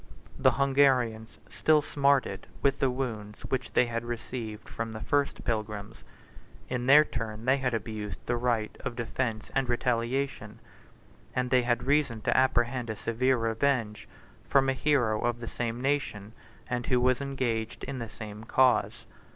The Hungarians still smarted with the wounds which they had received from the first pilgrims: in their turn they had abused the right of defence and retaliation; and they had reason to apprehend a severe revenge from a hero of the same nation, and who was engaged in the same cause.